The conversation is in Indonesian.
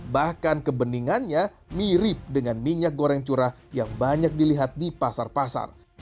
bahkan kebeningannya mirip dengan minyak goreng curah yang banyak dilihat di pasar pasar